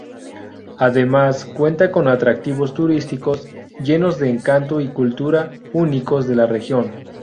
Además, cuenta con atractivos turísticos llenos de encanto y cultura únicos de la región.